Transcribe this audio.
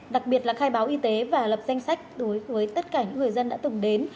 đặc biệt là khai báo y tế và lập danh sách đối với tất cả những người dân đã từng đến